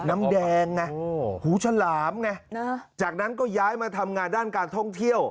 น้ำแดงไงหูฉลามไงจากนั้นก็ย้ายมาทำงานด้านการท่องเที่ยว